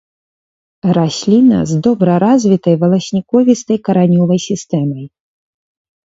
Расліна з добра развітай валасніковістай каранёвай сістэмай.